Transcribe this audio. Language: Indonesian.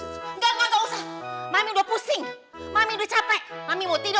enggak enggak usah mami udah pusing mami udah capek mami mau tidur